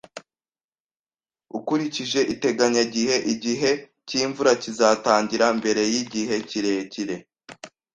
Ukurikije iteganyagihe, igihe cy'imvura kizatangira mbere yigihe kirekire